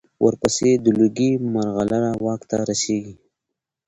ورپسې د لوګي مرغلره واک ته رسېږي.